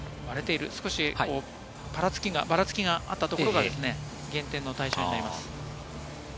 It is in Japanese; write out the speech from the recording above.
ばらつきがあったところが減点の対象になります。